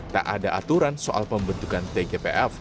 tak ada aturan soal pembentukan tgpf